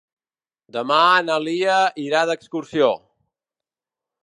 Demà na Lia irà d'excursió.